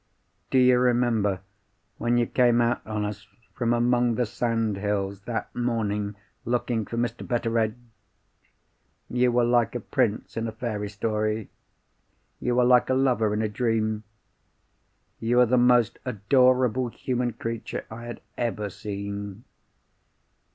"Do you remember when you came out on us from among the sandhills, that morning, looking for Mr. Betteredge? You were like a prince in a fairy story. You were like a lover in a dream. You were the most adorable human creature I had ever seen.